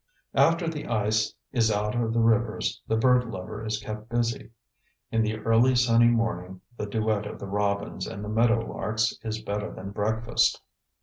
After the ice is out of the rivers the bird lover is kept busy. In the early sunny morning the duet of the robins and the meadow larks is better than breakfast.